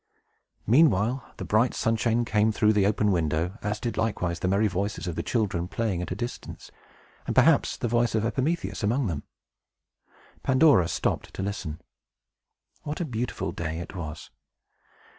Meanwhile, the bright sunshine came through the open window; as did likewise the merry voices of the children, playing at a distance, and perhaps the voice of Epimetheus among them. Pandora stopped to listen. What a beautiful day it was!